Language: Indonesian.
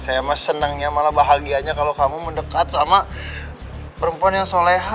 saya mas senangnya malah bahagianya kalau kamu mendekat sama perempuan yang soleha